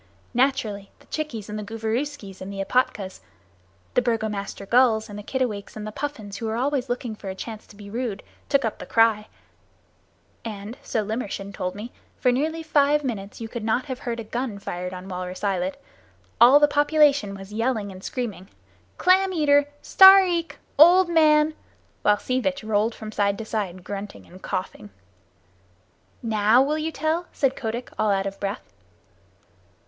Naturally the Chickies and the Gooverooskies and the Epatkas the Burgomaster Gulls and the Kittiwakes and the Puffins, who are always looking for a chance to be rude, took up the cry, and so Limmershin told me for nearly five minutes you could not have heard a gun fired on Walrus Islet. All the population was yelling and screaming "Clam eater! Stareek [old man]!" while Sea Vitch rolled from side to side grunting and coughing. "Now will you tell?" said Kotick, all out of breath.